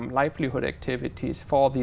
thật sự đặc biệt hơn